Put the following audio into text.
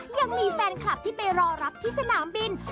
ยังมีแฟนคลับที่ไปรอรับที่สนามบิน